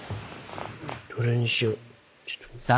どれにしよう？